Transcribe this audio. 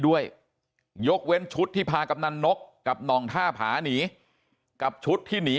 ด้วยยกเว้นชุดที่พากำนันนกกับหน่องท่าผาหนีกับชุดที่หนี